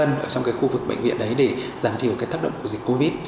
ở trong cái khu vực bệnh viện đấy để giảm thiểu cái tác động của dịch covid